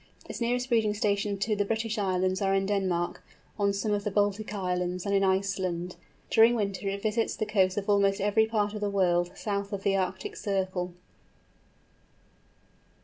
Its nearest breeding stations to the British Islands are in Denmark, on some of the Baltic Islands, and in Iceland. During winter it visits the coasts of almost every part of the world, south of the Arctic circle.